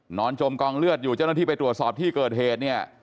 จมกองเลือดอยู่เจ้าหน้าที่ไปตรวจสอบที่เกิดเหตุเนี่ย